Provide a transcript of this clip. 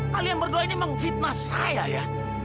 kalian berdua ini memang fitnah saya ya